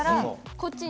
こっちに。